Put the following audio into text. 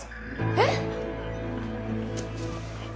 えっ？